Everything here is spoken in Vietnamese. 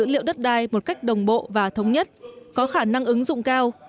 cơ sở dữ liệu đất đai một cách đồng bộ và thống nhất có khả năng ứng dụng cao